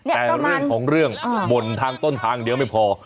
แต่เรื่องของเรื่องบ่นทางต้นทางเดียวไม่พอ